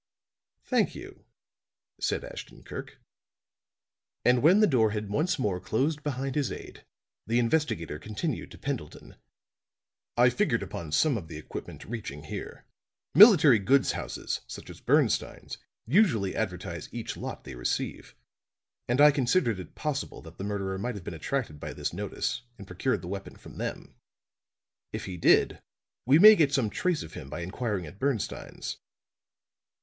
"Thank you," said Ashton Kirk. And when the door had once more closed behind his aid, the investigator continued to Pendleton: "I figured upon some of the equipment reaching here. Military goods houses, such as Bernstine's, usually advertise each lot they receive; and I considered it possible that the murderer might have been attracted by this notice and procured the weapon from them. If he did, we may get some trace of him by inquiring at Bernstine's.